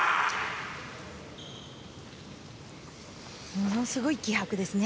ものすごい気迫ですね。